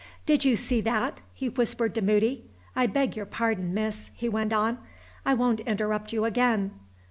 "Did you see that?" he whispered to Moody. "I beg your pardon, miss," he went on; "I won't interrupt you again.